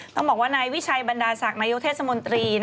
ต้องบอกว่านายวิชัยบรรดาศักดิ์นายกเทศมนตรี